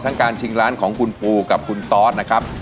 การชิงร้านของคุณปูกับคุณตอสนะครับ